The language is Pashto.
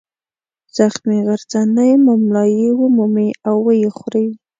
زخمي غرڅنۍ مُملایي ومومي او ویې خوري.